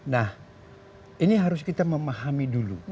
nah ini harus kita memahami dulu